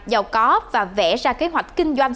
giàu có và vẽ ra kế hoạch kinh doanh